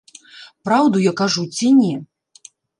Праўду я кажу ці не?